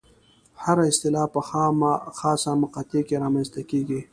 هره اصطلاح په خاصه مقطع کې رامنځته کېږي.